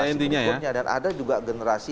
intinya ya dan ada juga generasi